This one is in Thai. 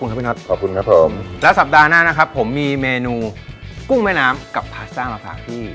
ครับพี่น็อตขอบคุณครับผมแล้วสัปดาห์หน้านะครับผมมีเมนูกุ้งแม่น้ำกับพาสต้ามาฝากพี่